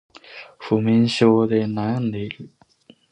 不眠症で悩んでいる